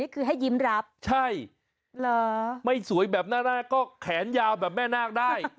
คือให้ยิ้มรับใช่ไม่สวยแบบน่ารักก็แขนยาวแบบแม่นาคได้